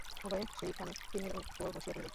উভয়ে সেই খানে তৃণের উপর বসিয়া পড়িলেন।